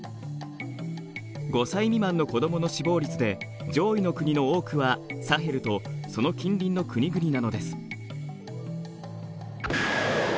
５歳未満の子どもの死亡率で上位の国の多くはサヘルとその近隣の国々なのです。